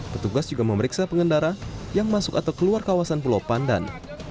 petugas juga memeriksa pengendara yang masuk atau keluar kawasan pulau pandan